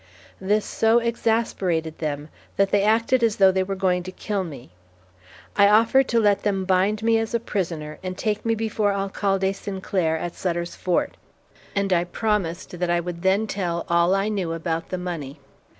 This so exasperated them that they acted as though they were going to kill me. I offered to let them bind me as a prisoner, and take me before Alcalde Sinclair at Sutter's Fort, and I promised that I would then tell all I knew about the money.